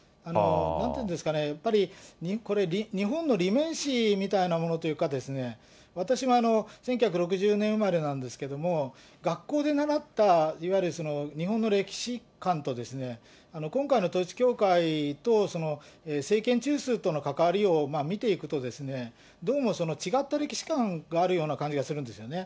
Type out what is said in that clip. なんていうんですかね、やっぱりこれ、日本のリメンシーみたいなものというか、私が１９６０年生まれなんですけれども、学校で習ったいわゆる、日本の歴史観と、今回の統一教会と政権中枢との関わりを見ていくとですね、どうも違った歴史観があるような感じがするんですよね。